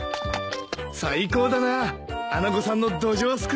最高だな穴子さんのドジョウすくい。